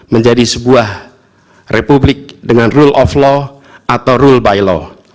menjadi sebuah republik dengan rule of law atau rule by law